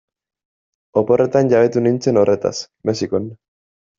Oporretan jabetu nintzen horretaz, Mexikon.